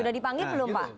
sudah dipanggil belum pak